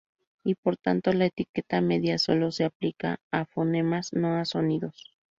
Y por tanto la etiqueta "media" sólo se aplica a fonemas no a sonidos.